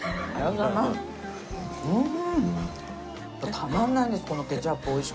うん！